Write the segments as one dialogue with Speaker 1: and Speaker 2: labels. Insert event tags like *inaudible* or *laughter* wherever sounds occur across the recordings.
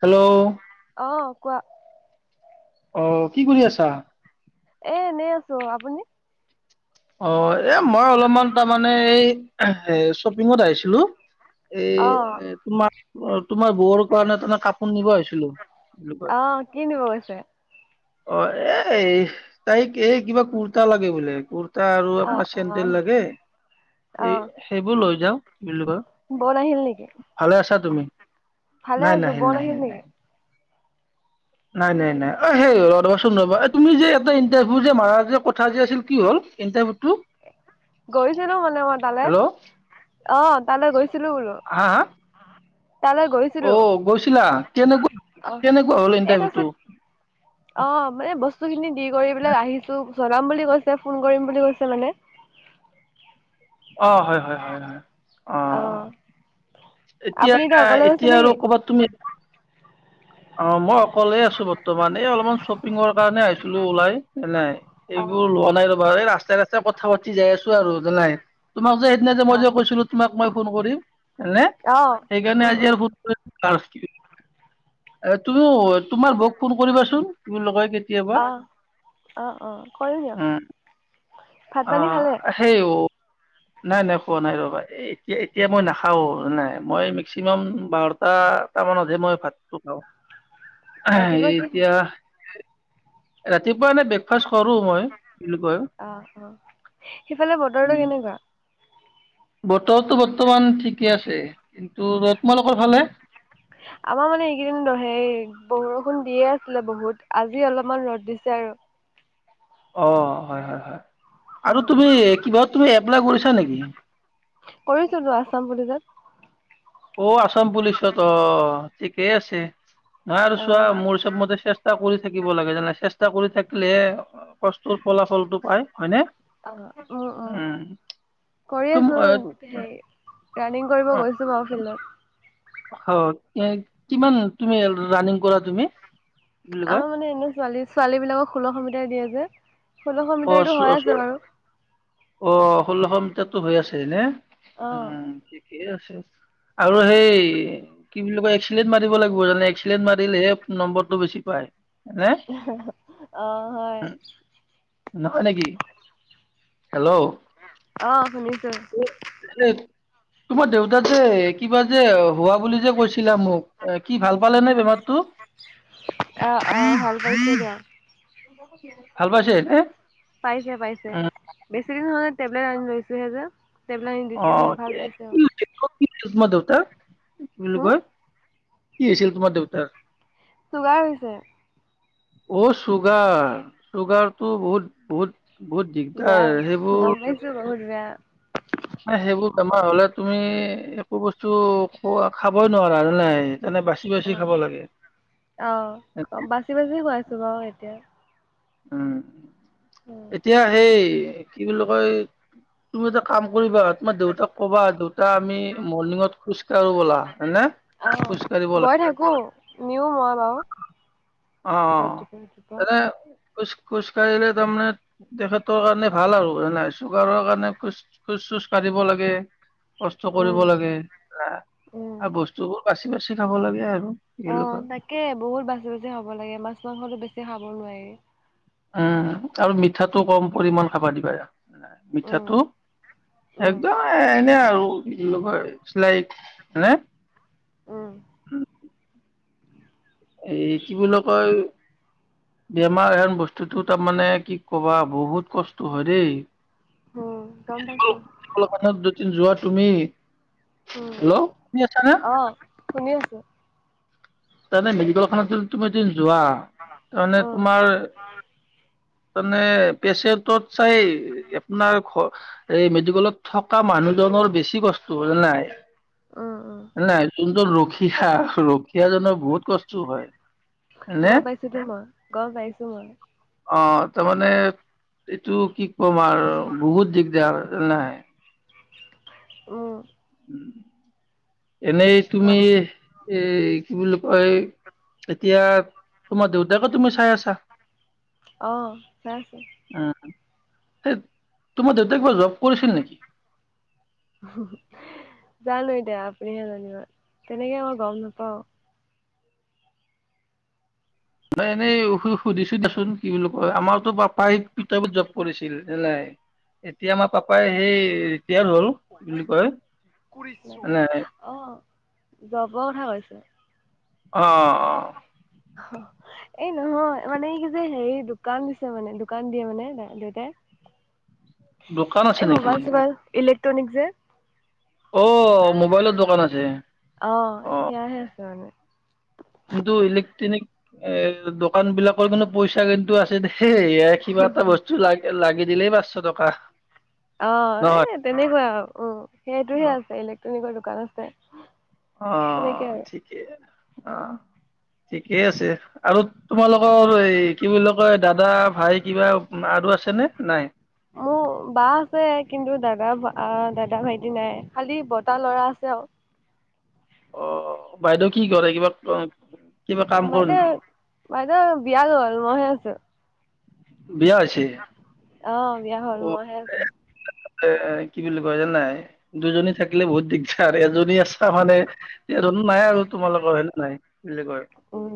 Speaker 1: Hello
Speaker 2: অঁ কোৱা?
Speaker 1: অ কি কৰি আছা?
Speaker 2: এ এনেই আছো। আপুনি?
Speaker 1: অ এ মই অলপমান তাৰমানে এই এ শ্বপিঙত আহিছিলো। এ
Speaker 2: অ
Speaker 1: এ তোমাৰ তোমাৰ বৌৰ কাৰণে তনে কাপোৰ নিব আহিছিলো এই ক
Speaker 2: অ কি নিব গৈছে
Speaker 1: অ এ তাইক এই কিবা কুৰ্তা লাগে বোলে কুৰ তা আৰু
Speaker 2: অ
Speaker 1: আপোনাৰ
Speaker 2: অ
Speaker 1: চেণ্ন্দেল লাগে
Speaker 2: অ
Speaker 1: সেই সেইবোৰ লৈ যাওঁ।
Speaker 2: বন আহিল নেকি
Speaker 1: *unintelligible* *inaudible* ভালে আছা তুমি?
Speaker 2: ভালে
Speaker 1: নাই নাই
Speaker 2: আছো
Speaker 1: হিল
Speaker 2: বন
Speaker 1: নাই
Speaker 2: আহিল
Speaker 1: হিল নাই।
Speaker 2: নেকি
Speaker 1: নাই নাই নাই অ সেই ৰাচোন ৰবা তুমি যে এটা ইটাৰভিউ যে মাৰ যে কথা যে আছিল কি হ'ল ইণ্টাৰভিউটো?
Speaker 2: গৈছিলো মানে মই তালে
Speaker 1: হেল্ল'
Speaker 2: অ তালে গৈছিলো বোলো।
Speaker 1: হা হা
Speaker 2: তালৈ
Speaker 1: অ
Speaker 2: গৈছিলো
Speaker 1: গৈছিলা কেনেকুৱা
Speaker 2: অ
Speaker 1: কেনেকুৱা হ'ল
Speaker 2: এই তাৰপিছত
Speaker 1: ইণ্টাৰভিউটো?
Speaker 2: অ মানে বস্তু খিনি দি কৰিবিলাক আহিছো। জনাম বুলি কৈছে ফোন কৰিম বুলি কৈছে মানে,
Speaker 1: অ হয় হয় হয় হয় অ। এতিয়া
Speaker 2: আপুনি অকলে গৈছে
Speaker 1: এতিয়া আৰু
Speaker 2: নেকি
Speaker 1: কবাত তুমি? অ মই অকলে আছো বৰ্তমান, এই অলপমান শ্বপিঙৰ কাৰণে আহিছিলো ওলাই ন নাই,
Speaker 2: অ
Speaker 1: সেইবোৰ লোৱা নাই ৰবা এই ৰাস্তাই ৰাস্তাই কথা পাতি যাই আছো আৰু নাই তোমাক যে আ যে মই
Speaker 2: অ
Speaker 1: যে কৈছিলো তোমাক মই ফোন কৰিম হে
Speaker 2: অ
Speaker 1: সেইকাৰণে
Speaker 2: উম
Speaker 1: আজি
Speaker 2: উম
Speaker 1: আৰু ফোন কৰি, তুমি তোমাৰ বক ফোন কৰিবাচোন তুমি লগাই
Speaker 2: অ অ অ কৰিম দিয়ক।
Speaker 1: উম
Speaker 2: ভাত
Speaker 1: অ
Speaker 2: পানী খালে
Speaker 1: সেই' নাই নাই খোৱা নাই ৰবা, এতিয়া এতিয়া মই নাখাও নাই মই মেক্সিমাম বাৰটা তাৰ মমানত যে মই ভাতটো খাওঁ।
Speaker 2: ৰাতিপুৱা কি
Speaker 1: এতিয়া
Speaker 2: খালে
Speaker 1: ৰাতিপুৱা। ৱ এনে ব্ৰেকফাষ্ট কৰো মই বুলি কয়।
Speaker 2: অ', অ', সেইফালে বতৰটো
Speaker 1: উম
Speaker 2: কেনেকুৱা?
Speaker 1: বতৰটো বৰ্তমান ঠিকে আছে। কিন্তু তোমালোকৰ ভালে?
Speaker 2: আমাৰ মানে এইকেইদিনহে বৰষুণ দিয়ে আছিলে বহুত আজি অলপমান ৰ'দ দিছে। আৰু।
Speaker 1: *inaudible* অ হয় হয় হয় আৰু
Speaker 2: উম,
Speaker 1: তুমি কিবা তুমি এপ্লাই কৰিছা নেকি?
Speaker 2: কৰিছিলো আছাম পুলিচত।
Speaker 1: অ আসাম পুলিচত অ ঠিকেই আছে। নাই আৰু চোৱা
Speaker 2: অ',
Speaker 1: মোৰ চব মতে চেষ্টা কৰি, থাকিব লাগে জানে চেষ্টা কৰি থাকিলেহে কষ্টৰ ফলাফলটো পায় হয়নে!
Speaker 2: আহ উম উম। কৰি
Speaker 1: তুম
Speaker 2: আছো হে ৰাণিং
Speaker 1: অ
Speaker 2: কৰিব গৈছো বাওঁ ফিল্ডত
Speaker 1: অ কিমান তুমি ৰানিং কৰা তুমি? কি বুলি কয়
Speaker 2: আমাৰ মানে এনে ছোৱালী ছোৱালী বিলাকক ষোল্লশ মিটাৰ দিয়ে যে। ষোল্লশ
Speaker 1: *unintelligible* অ
Speaker 2: মিটাৰটো হৈ
Speaker 1: অ
Speaker 2: আছে বাৰু।
Speaker 1: ষোল্লশ এাতো হৈ আছে নে
Speaker 2: অ',
Speaker 1: উম ঠিকেই আছে। আৰু সেই কি বুলি কয় এক্সিলেণ্ট মাৰিব লাগিব জানে এক্সেণ্ট মাৰিলেহে নম্বৰটো বেছি পায়। নে
Speaker 2: অৱ হয়।
Speaker 1: উম, নহয় নেকি, হেল্ল'।
Speaker 2: অ শুনিছো।
Speaker 1: এ, তোমাৰ দেউতা যে কিবা যে হোৱা বুলি যে কৈছে? মোক কি ভাল পালে নে বেমাৰটো!
Speaker 2: অৱ অৱ ভাল পাইছে দিয়ক।
Speaker 1: ভাল পাইছে এ
Speaker 2: পাইছে পাইছে বেছি দিন হোৱা নাই, টেবলেট আনি লৈছোহে যে টেবলেট আনি
Speaker 1: অ
Speaker 2: দিছোহে ভাল
Speaker 1: এ,
Speaker 2: পাইছে
Speaker 1: কি
Speaker 2: আও
Speaker 1: হৈছিল? ক'ত কি *unintelligible* কি বুলি কয় কি হৈছিল তোমাৰ দেউতাৰ?
Speaker 2: চুগাৰ হৈছে।
Speaker 1: অ চুগাৰ, চুগাৰতটো বহুত বহুত বহুত
Speaker 2: বেয়া
Speaker 1: দিগদাৰ
Speaker 2: গম
Speaker 1: সেইবোৰ
Speaker 2: পাইছো বহুত বেয়া
Speaker 1: ন সেইবোৰ বেমাৰ হলে তুমি একো বস্তু খোৱা খাবই নোৱাৰা নাই মানে বাচি বাচি খাব লাগে।
Speaker 2: আহ বাচি বাচি গৈ আছো বাৰু এতিয়া।
Speaker 1: উম,
Speaker 2: উম,
Speaker 1: এতিয়া সেই কি বুলি কয় তুমি এটা কাম কৰিবা তোমাৰ দেউতাক কবা দেউতা আমি মৰ্ণিঙত খোজকাঢ়ো ব'লা হয়নে
Speaker 2: আহ
Speaker 1: খোজ কাঢ়িব
Speaker 2: গৈ
Speaker 1: লাগে
Speaker 2: থাকো নিও মই বাওঁ
Speaker 1: অৱ, এনে খোজ খোজ কাঢ়িলে তাৰমানে তেখেতৰ কাৰণে ভাল আৰু, নাই চুগাৰৰ কাৰণে খোজ খোজ খোজ কাঢ়িব লাগে। কষ্ট
Speaker 2: উম
Speaker 1: কৰিব লাগে
Speaker 2: উম
Speaker 1: এ বস্তুবোৰ বাচি বাচি খাব লাগে আৰু
Speaker 2: অ
Speaker 1: এলোকা
Speaker 2: তাকে বহুত বাচি বাচি খাব লাগে মাছ মাংসতো বেছি খাব নোৱাৰি।
Speaker 1: উম আৰু মিঠাটো কম পৰিমামান খাব দিবা।
Speaker 2: উম
Speaker 1: মিঠাটো
Speaker 2: উম
Speaker 1: একদম এনে আৰু লগয় শ্লাইক হয়নে।
Speaker 2: উম
Speaker 1: এই কি বুলি কয় বেমাৰ এন বস্তুটো তাৰমানে কি কবা বহুত কষ্ট হয় দেই।
Speaker 2: উম গম পাইছো
Speaker 1: ত দুদিন যোৱা তুমি
Speaker 2: উম
Speaker 1: হেল্ল' শুনি আছা না
Speaker 2: অ শুনি আছো
Speaker 1: তাৰমানে মেডিকেলখনত তুমি এদিন যোৱা তাৰমানে
Speaker 2: উম,
Speaker 1: তোমাৰ তানে পেচেণ্টত চাই আপোনাৰ ঘ এই মেডিকেলত থ এ মানুহজনৰ বেছি কষ্ট জানা নাই
Speaker 2: উম, উম,
Speaker 1: *unintelligible* জন ৰখি ৰখিয়াজনৰ বহুত কষ্ট হয়।
Speaker 2: গম
Speaker 1: *unintelligible*
Speaker 2: পাইছোতো মই, গম পাইছো মই।
Speaker 1: অহ তাৰ মানে এইটো কি কম আৰু বহুত দিগদাৰ নাই
Speaker 2: উম
Speaker 1: এনেই তুমি
Speaker 2: গম
Speaker 1: এ কি বুলি কয় এতিয়া তোমাৰ দেউতাকো তুমি চাই আছা
Speaker 2: আহ চাই ছে
Speaker 1: সেই তোমাৰ দেউতাক কিবা জব কৰিছিল নেকি
Speaker 2: জানো আপুনিহে জানিব তেনেকে মই গম নাপাও
Speaker 1: নহ এনেই সুধিছো দেচোন কি বুলি কয় আমাৰতো পাপাই পিতাবত জপ কৰিছিল ঢেলাই এতিয়া আমাৰ পাপাই সেই ৰিটায়াৰ হ'ল কি বুলি কয় নাই
Speaker 2: অ জবৰ কথা কৈছ
Speaker 1: অ অ
Speaker 2: এই নহয় মানে কি যে হেৰি দোকান দিছে মানে দোকান দিয়ে মানে দেউতাই
Speaker 1: *unintelligible* দোকান আছে
Speaker 2: এই
Speaker 1: নেকি
Speaker 2: মোবাইল চোবাইল ইলেক্ট্ৰনিক যে
Speaker 1: অ মোবাইলৰ দোকান আছে
Speaker 2: অ সেয়াহে আছে মানে
Speaker 1: কিন্তু ইলেক্ট্ৰনিক এ দোকান বিলাকৰ কিন্তু পইচা কিন্তু আছে দেই সেইয়াই কিবা এটা বস্তু লাগ লাগি দিলেই পাঁচশ টকা
Speaker 2: অ
Speaker 1: নহয়
Speaker 2: এ তেনেকুৱা আৰু উ সেইটোহে
Speaker 1: অ
Speaker 2: আছে ইলেক্ট্ৰনিকৰ দোকান আছে।
Speaker 1: অ
Speaker 2: সেনেকে আৰু।
Speaker 1: ঠিকেই অ। ঠিকেই আছে আৰু তোমালোকৰ এই কি বুলি কয় দাদা ভাই কিবা আছে নে নাই
Speaker 2: মোৰ বা আছে কিন্তু দাদা দা দাদা ভাইটি নাই খালি বটাৰ লৰা আছে আৰু
Speaker 1: অ বাইদেউ কি কৰে কিবা কিবা কাম কৰে
Speaker 2: বাইদেউ
Speaker 1: নেকি
Speaker 2: বাইদেউ বিয়া গ'ল মইহে আছো
Speaker 1: বিয়া হৈছে
Speaker 2: অ' বিয়া হ'ল
Speaker 1: অ
Speaker 2: মইহে ঘৰত
Speaker 1: এ কি বুলি কয় জান নাই দুজনী থাকিলে বহুত দিগদাৰ এজনী আছ ভালে এজনো নাই আৰু তোমালোকৰ হয়নে নাই বুলি কয়
Speaker 2: উম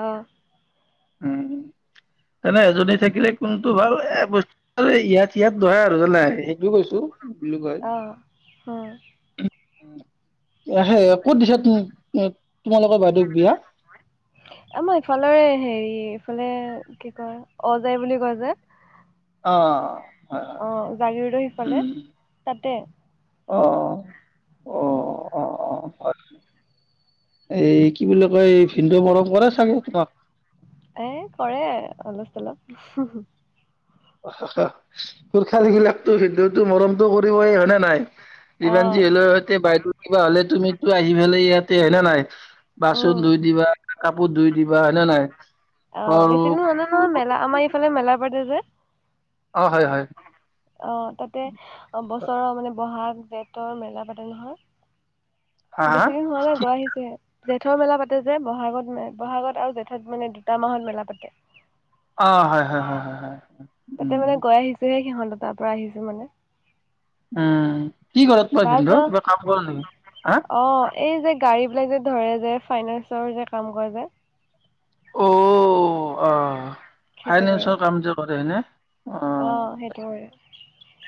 Speaker 2: অ'
Speaker 1: উম জানে এজনী থাকিলে কোনটো ভাল এ বস্তু ইয়াত সগয়াত ধৰে আৰু জান নাই সেইটোও কৈছো কি বুলি কয়
Speaker 2: আহ হ
Speaker 1: সে ক'ত দিছা তোমালোকৰ বাইদেউক বিয়া
Speaker 2: আমাৰ ইফালৰে হেৰি ইফালে কি কয় অজয় বুলি কয় যে
Speaker 1: অ হয় হয়
Speaker 2: অ জাগিৰোদৰ সিফালে
Speaker 1: উম।
Speaker 2: তাতে
Speaker 1: অ
Speaker 2: অ
Speaker 1: অ হয় এই কি বুলি কয় ভিনীদেওৱে মৰম কৰে চাগে তোমাক
Speaker 2: এ কৰে অলপ চলপ
Speaker 1: খোলখালী বিলাকতো ভিনদেউৱে মৰমতটো কৰিবই হয়নে নহয় যিমান
Speaker 2: অ'
Speaker 1: যিহলো সৈতে বাইদেউ কিবা হ'লে তুমিতো আহি বেলায় ইয়াতে হয় ন নাই
Speaker 2: উম
Speaker 1: বাচন ধুই দিবা কাপোৰ ধুই দিবা হয়েনে নহয়
Speaker 2: অ বেছিদিন হোৱা নাই নহয় মেলা আমাৰ এইফালে মেলা পাতোতে
Speaker 1: অ হয় হয়
Speaker 2: অ তাতে অ বছৰৰ মানে বহাগ জেঠৰ মেলা পাতে
Speaker 1: হা
Speaker 2: নহয়।
Speaker 1: হা
Speaker 2: বেছি দিন হোৱালেও
Speaker 1: কি
Speaker 2: গৈ আহিছে জেঠৰ মেলা পাতে যে বহাগত মে বহাগত আৰু জেঠত মানে দুটা মাহত মেলা পাতে
Speaker 1: অ হয় হয় হয় হয় হয়
Speaker 2: তাতে
Speaker 1: উম
Speaker 2: মানে গৈ আহিছোহে সিহঁত তাৰ পৰা আহিছো মানে
Speaker 1: উম কি ঘৰত
Speaker 2: বা
Speaker 1: কৰাইছিল
Speaker 2: যোৱা
Speaker 1: তোক কিবা কাম কৰা নেকি হা
Speaker 2: অ', এই যে গাড়ী পেলাই যে ধৰে যে ফাইনেসৰ যে কাম কৰে যে
Speaker 1: অ অ
Speaker 2: সেইটো কৰে।
Speaker 1: ফাইনেন্সৰ কাম যে কৰেনে অ,
Speaker 2: সেইটো কৰে।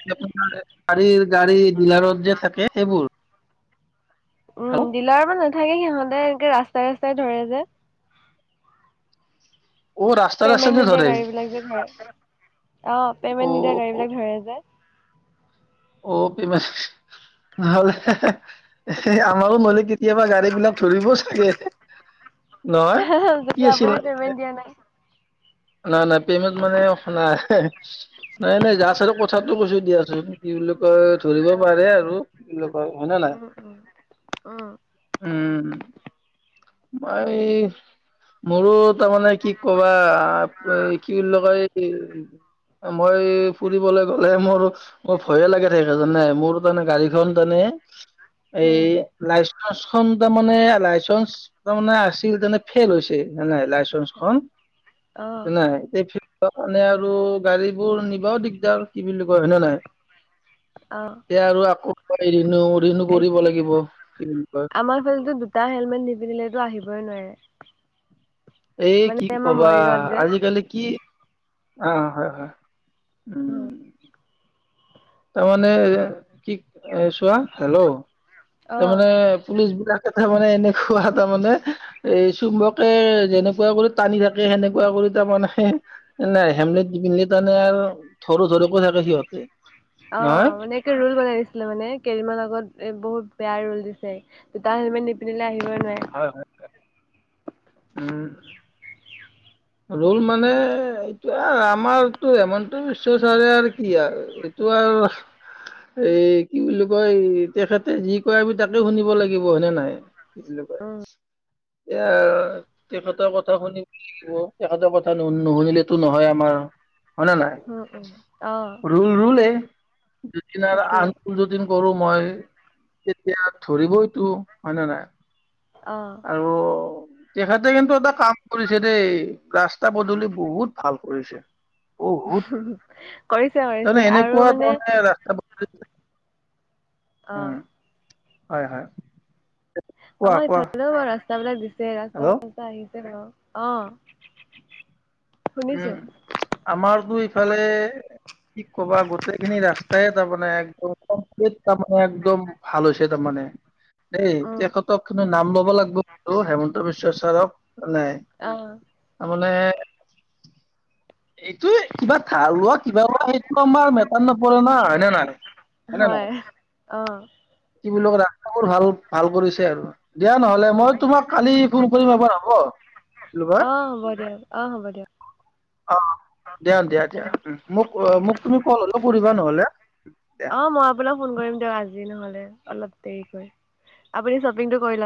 Speaker 1: এতিয়া তোমাৰ। গাড়ীৰ গাড়ী ডিলাৰত যে থাকে সেইবোৰ।
Speaker 2: উম
Speaker 1: আৰু
Speaker 2: দিলাৰ পৰা নাথাকে সিহঁতে এনেকে ৰাস্তাই ৰাস্তাই ধৰে যে।
Speaker 1: অ ৰাস্তা ৰাস্তা
Speaker 2: পেমেন্ট
Speaker 1: যে
Speaker 2: নিদিয়া
Speaker 1: ধৰে
Speaker 2: গাড়ী বিলাক যে ধৰে অ
Speaker 1: অ
Speaker 2: পেমেন্ট নিদিয়া গাড়ী বিলাক ধৰে যে।
Speaker 1: অ প ম নহলে। এ
Speaker 2: সেইটোৱে।
Speaker 1: আমাৰো নহলে কেতিয়াবা গাড়ী বিলাক ধৰিব চাগে। নহ কি
Speaker 2: যদি
Speaker 1: আছিল।
Speaker 2: আপুনি পেমেণ্ট দিয়া নাই
Speaker 1: নাই নাই পেমেণ্ট মানে নাই নাই নাই যাছ আৰু কথাটো কৈছো দিয়াচোন। কি বুলি কয় ধৰিব
Speaker 2: অ',
Speaker 1: পাৰে আৰু এই। হয় নে নাই
Speaker 2: উম, উম, উম,
Speaker 1: উম। মই মোৰো। তাৰ মানে কি কবা কি বুলি কয়। মই ফুৰিবলৈ গ'লে মোৰ মোৰ ভয়ে লাগে থাকে জানে মোৰ। গাড়ী খন মানে এই
Speaker 2: উম,
Speaker 1: লাইছ বাছ খন তোমাৰ। লাইচেঞ্চ খন আছিল ফেইল হৈছে।
Speaker 2: অ',
Speaker 1: নাই। ত মানে আৰু গাড়ী বোৰ নিবাও দিগদাৰ কি বুলি কয় হয় নে নহয়।
Speaker 2: অ',
Speaker 1: এতিয়া আকৌ হাৰি। কয়
Speaker 2: আমাৰ ফলেটো দুটা হেলমেট নিপিন্ধিলেতো আহিবই নোৱাৰে। *unintelligible*
Speaker 1: এই
Speaker 2: মানে
Speaker 1: কি
Speaker 2: আমাৰ
Speaker 1: কবা,
Speaker 2: মৰিগাঁৱত যে
Speaker 1: আজিকালি কি অ হয় হয়। উম।
Speaker 2: অ',
Speaker 1: তাৰমানে কি চোৱা হেল্ল'
Speaker 2: অ',
Speaker 1: তাৰমানে পুলিচ বিলাক,। তাৰ মানে এনেকুৱা তাৰমানে এ চুম্বকে যেনেকুৱা কৰি টানি থাকে সেনেকুৱা কৰি। দুইটা মানুহে নাই হেমলেট নিপিন্ধিলে তাৰমানে আৰু। ধৰো ধৰকৈ থাকে সিহঁতে
Speaker 2: অ
Speaker 1: নহয়।
Speaker 2: মানে কি ৰোল বনাই দিছিলে মানে কেদিনমান আগত। এ বহুত বেয়া ৰোল দিছে দুটা হেলমেট নিপন্ধিলে আহি।
Speaker 1: হয় হয়। উম। ৰল মানে এইটো আৰু আমাৰতো হেমন্ত বিশ্ব ছাৰে আৰু কি আৰু,। এইটো আৰু। এই কি বুলি কয় তেখেতে যি কয় আমি তাকে শুনিব লাগিব হয় নে নাই? কি বুলি কয়
Speaker 2: উম,
Speaker 1: এয়া তেখেতৰ কথা শুনিব লাগিব। তেখেতৰ কথা নুশুনিলেটো নহয় আমাৰ। হয় নে নাই?
Speaker 2: উম, উম, অ',
Speaker 1: ৰোল ৰোলে যোনদিন
Speaker 2: তাকে
Speaker 1: আনফুল ড্ৰীংক্ কৰো মই। তেতিয়া ধৰিবইটো হয় নে নাই?
Speaker 2: অহঁ।
Speaker 1: আৰু তেখেতে কিন্তু এটা কাম কৰিছে দেই, ৰাস্তা পদূলি বহুত ভাল কৰিছে। বহুত
Speaker 2: কৰিছে কৰিছে
Speaker 1: তাৰমানে
Speaker 2: আৰু
Speaker 1: এনেকুৱা
Speaker 2: মানে
Speaker 1: ধৰণে ৰাস্তা।
Speaker 2: অহঁ।
Speaker 1: উম হয় হয়। কোৱা
Speaker 2: আমাৰ
Speaker 1: কোৱা
Speaker 2: ইফাল বাৰু ৰাস্তা বিলাক দিছে ৰাস্তা
Speaker 1: হেল্ল'
Speaker 2: চাস্তা আহিছে ধৰক। অঁ।
Speaker 1: উম আমাৰতো ইফালে। কি ক'বা গোটেইখিনি ৰাস্তাই তাৰমানে একদম্,। তাৰ মানে একদম ভাল হৈছে তাৰমানে। দেই,
Speaker 2: উম
Speaker 1: তেখেতক কিন্তু নাম লব লাগিব আৰু হেমন্ত বিশ্ব ছাৰক। নাই,
Speaker 2: আহ
Speaker 1: তাৰ মানে। এইটো কিবা ধাৰ লোৱা কিবা লোৱা সেইটো আমাৰ মেটাৰ নপৰে না হয়নে নাই? নে নাই
Speaker 2: হয়, অঁ।
Speaker 1: মোৰ ভাল ভাল কৰিছে। আৰু দিয়া নহলে
Speaker 2: উম
Speaker 1: মই
Speaker 2: উম
Speaker 1: তোমাক কালি ফোন কৰিম এবাৰ হ'ব? কি বুলি কয়
Speaker 2: অঁ হ'ব দিয়ক অঁ হ'ব দিয়ক।
Speaker 1: অঁ। দিয়া দিয়া
Speaker 2: অ
Speaker 1: দিয়া মোক
Speaker 2: অ
Speaker 1: মোক তুমি কল হলেও কৰিবা নহলে দিয়া।
Speaker 2: অ মই আপোনাক ফোন কৰিম দিওঁক আজি নহলে অলপ দেৰিকৈ, আপুনি শ্বপিং টো কৰি লওঁক।